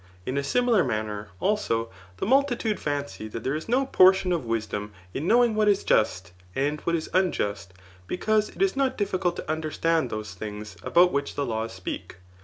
In a similar maimer, also, the multitude fancy that there is no portion of wis dom in knowing what is just, and what is unjust, because it is not difficult to understand those things about whkk the laws speak.